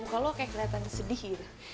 muka lo kayak keliatan sedih gitu